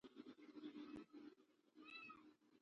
موږ د طبیعت خوښونکي یو.